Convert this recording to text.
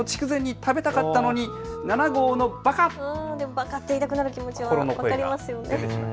ばかって言いたくなる気持ちは分かります。